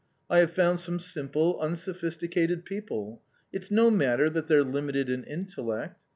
I have found some simple, unsophisticated people ; it's no matter that they're limited in intellect.